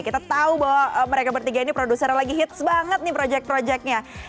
kita tahu bahwa mereka bertiga ini produsernya lagi hits banget nih project projectnya